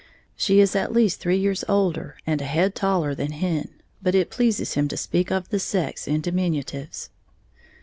She is at least three years older and a head taller than Hen, but it pleases him to speak of the sex in diminutives.